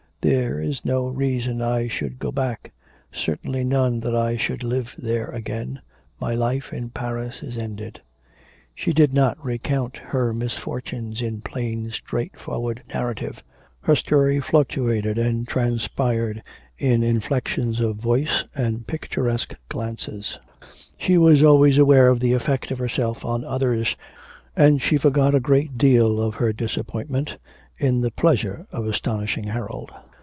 'There's no reason why I should go back, certainly none that I should live there again, my life in Paris is ended.' She did not recount her misfortunes in plain straightforward narrative, her story fluctuated and transpired in inflections of voice and picturesque glances. She was always aware of the effect of herself on others, and she forgot a great deal of her disappointment in the pleasure of astonishing Harold.